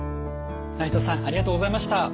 内藤さんありがとうございました。